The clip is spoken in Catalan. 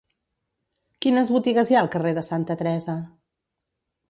Quines botigues hi ha al carrer de Santa Teresa?